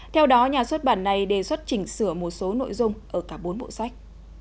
theo đó nhà xuất bản này đề xuất chỉnh sửa một số nội dung ở cả bốn bộ sách